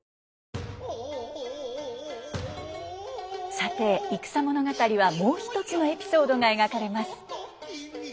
さて戦物語はもう一つのエピソードが描かれます。